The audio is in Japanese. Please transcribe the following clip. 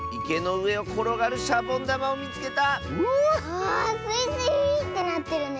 あスイスイーってなってるね。